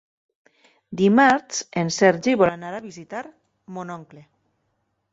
Dimarts en Sergi vol anar a visitar mon oncle.